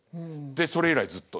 それ以来ずっと。